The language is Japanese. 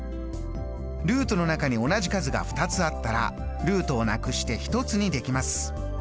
ルートの中に同じ数が２つあったらルートをなくして１つにできます。